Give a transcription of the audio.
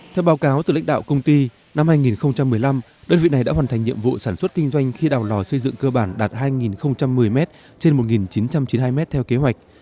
theo báo cáo từ lãnh đạo công ty năm hai nghìn một mươi năm đơn vị này đã hoàn thành nhiệm vụ sản xuất kinh doanh khi đào lò xây dựng cơ bản đạt hai một mươi m trên một chín trăm chín mươi hai mét theo kế hoạch